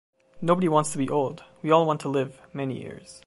Nobody wants to be old, we all want to live many years.